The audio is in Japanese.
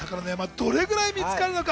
どれぐらい見つかるのか。